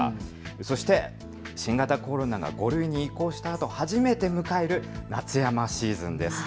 そして新型コロナが５類に移行したあと初めて迎える夏山シーズンです。